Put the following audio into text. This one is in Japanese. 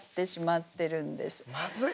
まずい！